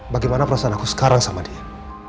bagaimana perasaan aku sekarang sama dia